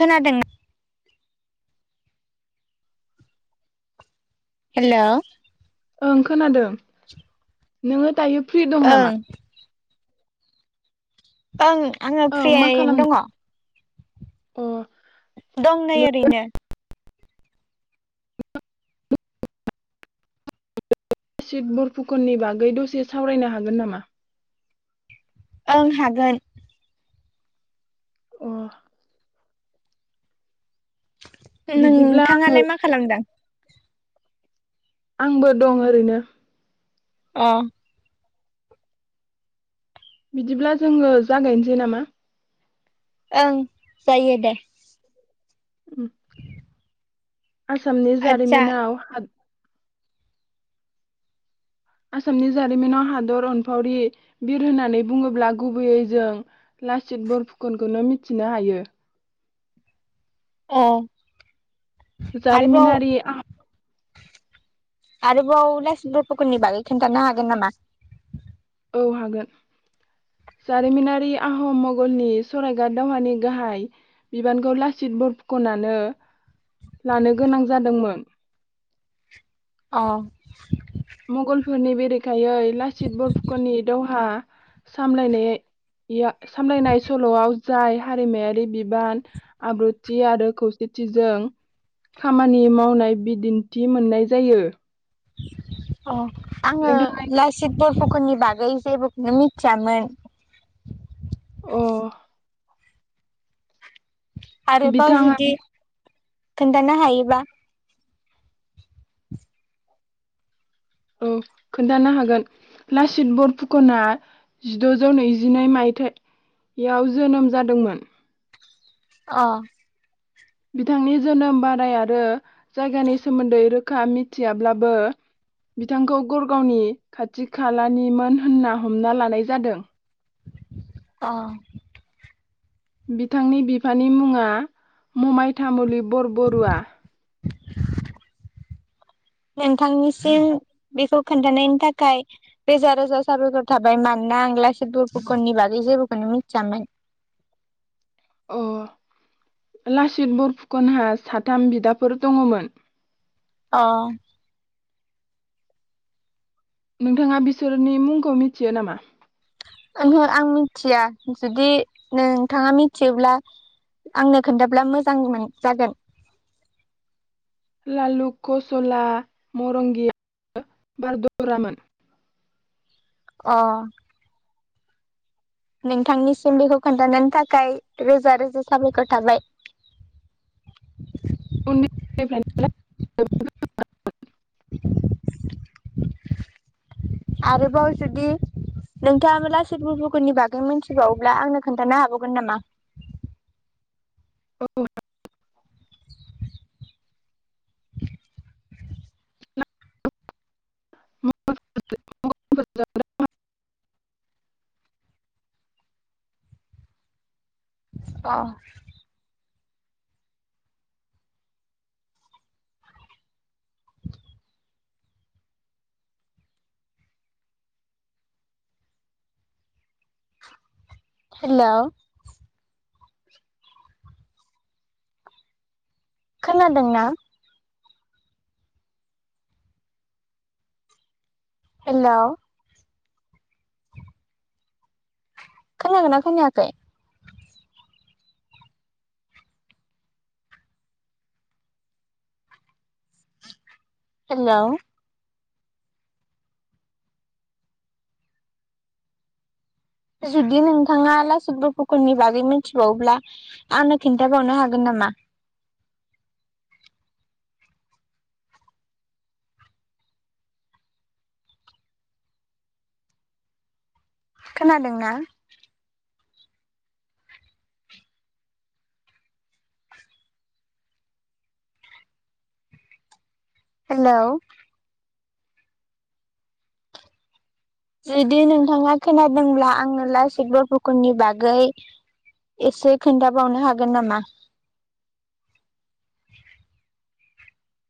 खोनादों ना? हेल' ओं खोनादों नोङो दायो फ्रि दं नामा ओं। [unintelligible] आङो ओं मा फ्रियैनो खालामदों दङ। अ दं नै ओरैनो सिड बरफुकननि बागै दसे सावरायनो हागोन नामा? ओं हागोन। अ बिदिब्ला नोंथाङालाय मा खालामदों? आंबो दं ओरैनो। अ बिदिब्ला जोङो जागायनोसै नामा? ओं जायो दे। उम, आसामनि आदसा जारिमिनाव आसामनि जारिमिनाव हादर अनफावरि बिर होननानै बुङोब्ला गुबैयै जों लासित बरफुखोनखौनो मिथिनो हायो। औ जारिमिनारि आरोबाव लासिद फुकननि बागै खिन्थानो हागोन नामा? औ हागोन जारिमिनारि आहम मगलनि सरायघाट दावहानि गाहाय बिबानखौ लासित बरकनानो लानो गोनां जादोंमोन। अ फोरनि बेरेखायै लासित बरफुक'नि दावहा सामनाय सामलायनाया सल'आव जाय हारिमायारि बिबान आब्रुथि आरो खौसेथिजों खामानि मावनाय बिदिन्थि मोननाय जायो। [inaudible] अ आङो नोंथाङा लासित बरफ'फुकननि बागै जेबोखौनो मिथियामोन अ आरोबाव बिथाङा जुदि खोन्थानो हायोबा औ खोन्थानो हागोन लासित बरफुकना जिद'जौ नैजिनै मायथायाइयाव जोनोम जादोंमोन। अ बिथांनि जोनोम बाराय आरो जायगानि सोमोन्दै रोखा मिथियाब्लाबो बिथांखौ गरगावनि खाथि खालानिमोन होनना हमना लानाय जादों अ। बिथांनि बिफानि मुङा ममायथामुलि बरबरुवआ। नोंथांनिसिम बेखौ खोन्थानायनि थाखाय रोजा रोजा साबायखर थाबाय मानोना आं लासै बरफुखननि बागै जेबोखौनो मिथियामोन। अ लासित बरफुकनहा साथाम बिदाफोर दङमोन। अ। नोंथाङा बिसोरनि मुंखौ मिथियो नामा? ओहो आं मिथिया जुदि नोंथाङा मिथियोब्ला आंनो खोनथाब्ला मोजां मोन जागोन लालु कसला मरंगिया बारदरामोन अ नोंथांनि सोलुखौ खोन्थानायनि थाखाय रोजा रोजा साबायखर थाबाय [unintelligible] आरोबाव जुदि नोंथाङा लाचित बरफुकनि बागै मोनथिबावोब्ला आंनो खोन्थानो हाबावगोन नामा [unintelligible] [unintelligible] अ [inaudible] हेलौ खोनादोंना हेलौ खोनागोनना खोनायाखै हेलौ जुदि नोंथाङा लासित बफुकननि बागै मिथिबावब्ला आंनो खिन्थाबावनो हागोन नामा खोनादोंना हेलौ जुदि नोंथाङा खोनादोंब्ला आङो लासित बरफुखननि बागै एसे खोन्थाबावनो हागोन नामा?